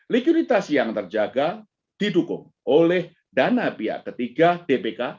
likuiditas yang terjaga didukung oleh dana pihak ketiga dpk